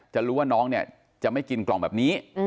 รู้ว่าน้องเนี่ยจะไม่กินกล่องแบบนี้